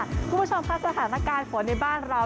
คุณผู้ชมค่ะสถานการณ์ฝนในบ้านเรา